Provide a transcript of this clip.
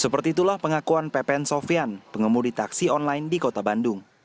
seperti itulah pengakuan pepen sofian pengemudi taksi online di kota bandung